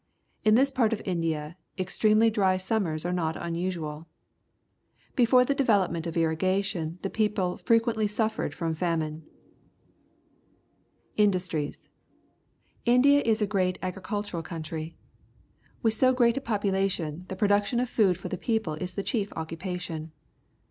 In this part of India extremely dry summers are not unusual. Before the development of irrigation the people frequently suffered from famine. Industries. — India is a great agricultural country. With so great a population, the production of food for the people is the chief occupation.